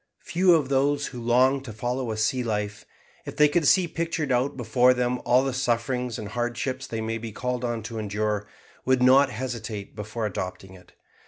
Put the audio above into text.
Few of those who long to follow a sea life, if they could see pictured out before them all the sufferings and hardships they may be called on to endure, would not hesitate before adopting it.